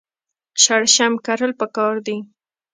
شړشم کرل پکار دي.